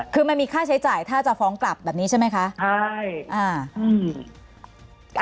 คือมันมีค่าใช้จ่ายถ้าจะฟ้องกลับแบบนี้ใช่ไหมคะใช่อ่าอืม